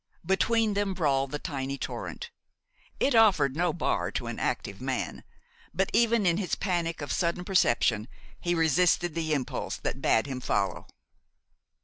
Between them brawled the tiny torrent. It offered no bar to an active man; but even in his panic of sudden perception he resisted the impulse that bade him follow.